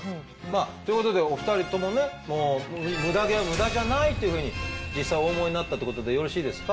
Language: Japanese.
ということでお二人ともねムダ毛はムダじゃないというふうに実際お思いになったってことでよろしいですか？